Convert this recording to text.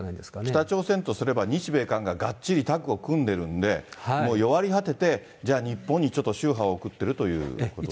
北朝鮮とすれば、日米韓ががっちりタッグを組んでるんで、もう弱り果てて、じゃあ日本にちょっと秋波を送ってるってことですね。